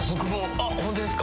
あっホントですか？